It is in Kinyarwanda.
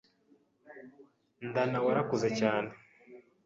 Ndana warakuze yane